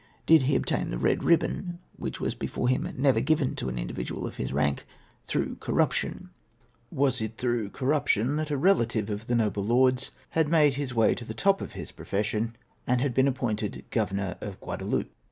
Did he obtain the red ribbon, which was before him never given to an individual of his rank, through cor ruption ? Was it through corruption that a relative of the noble lord's had made his way to the top of his profession, and had been appointed governor of Guadaloupe?